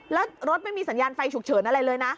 แล้วรถไม่มีสัญญาณไฟฉุกเฉินอะไรเลยนะ